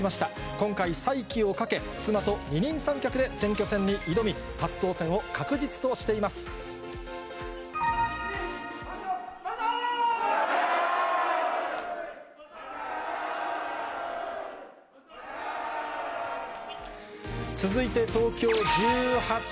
今回、再起をかけ、妻と二人三脚で選挙戦に挑み、初当選を確実と万歳！